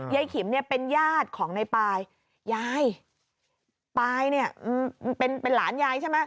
ขิมเนี่ยเป็นญาติของในปายยายปายเนี่ยเป็นหลานยายใช่ไหม